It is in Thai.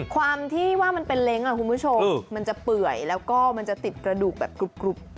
ความที่ว่ามันเป็นเล้งคุณผู้ชมมันจะเปื่อยแล้วก็มันจะติดกระดูกแบบกรุ๊บ